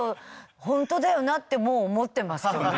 ほんとだよなってもう思ってますけど。